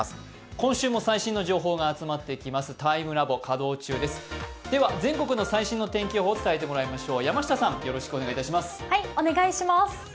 今週も最新の情報が集まってきますＴＩＭＥＬＡＢＯ、稼働中です、全国の最新の天気を伝えてもらいましょう。